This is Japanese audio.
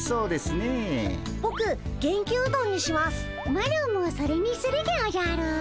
マロもそれにするでおじゃる。